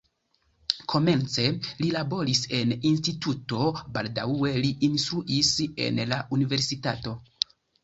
Komence li laboris en instituto, baldaŭe li instruis en la universitato.